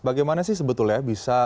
bagaimana sih sebetulnya bisa